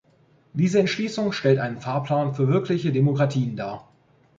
Diese Entschließung stellt einen "Fahrplan" für wirkliche Demokratien dar.